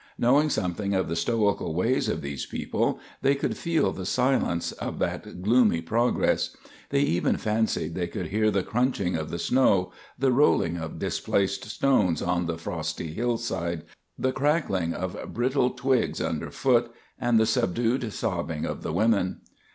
Knowing something of the stoical ways of these people, they could feel the silence of that gloomy progress. They even fancied they could hear the crunching of the snow, the rolling of displaced stones on the frosty hillside, the crackling of brittle twigs under foot, and the subdued sobbing of the women.